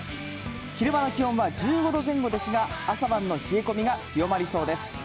昼間の気温は１５度前後ですが、朝晩の冷え込みが強まりそうです。